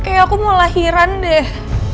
oke aku mau lahiran deh